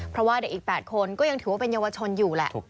เพราะว่าเด็กอีก๘คนก็ยังถือว่าเป็นเยาวชนอยู่แหละ